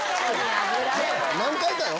何回かよ